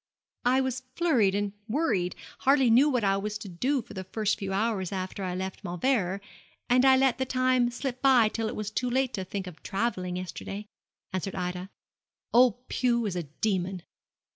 'I was flurried and worried hardly knew what I was doing for the first few hours after I left Mauleverer; and I let the time slip by till it was too late to think of travelling yesterday,' answered Ida. 'Old Pew is a demon.'